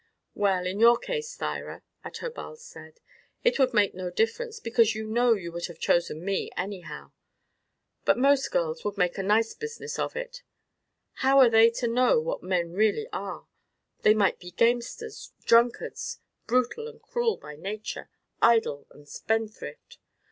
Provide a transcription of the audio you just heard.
"Well, in your case, Thyra," Adherbal said, "it would make no difference, because you know you would have chosen me anyhow; but most girls would make a nice business of it. How are they to know what men really are? They might be gamesters, drunkards, brutal and cruel by nature, idle and spendthrift.